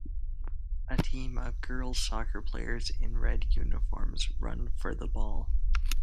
A team of girl 's soccer players in red uniforms run for the ball.